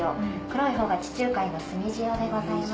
黒いほうが地中海の炭塩でございます。